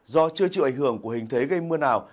do chưa chịu ảnh hưởng của hình thế gây mưa nào